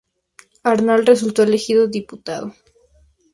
Arnal resultó elegido diputado.